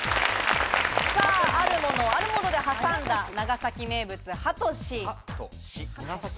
あるものを、あるもので挟んだ、長崎名物ハトシ。